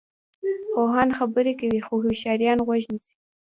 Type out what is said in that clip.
پوهان خبرې کوي خو هوښیاران غوږ نیسي.